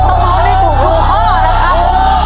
ขอบความสำคัญกว่า